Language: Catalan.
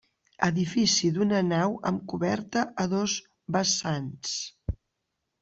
Edifici d'una nau amb coberta a dos vessants.